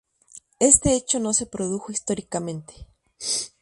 Este hecho no se produjo históricamente.